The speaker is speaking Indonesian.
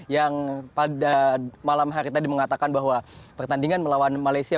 yang pada malam hari tadi mengatakan bahwa pertandingan melawan malaysia